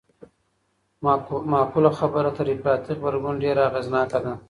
معقوله خبره تر افراطي غبرګون ډېره اغېزناکه ده.